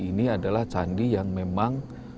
ini adalah candi yang memang